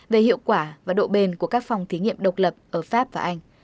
về hiệu quả và độ bền của các phòng thí nghiệm độc lập ở pháp và anh